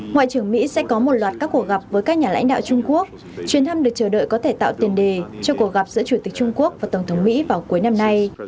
ngoại trưởng mỹ sẽ có một loạt các cuộc gặp với các nhà lãnh đạo trung quốc chuyến thăm được chờ đợi có thể tạo tiền đề cho cuộc gặp giữa chủ tịch trung quốc và tổng thống mỹ vào cuối năm nay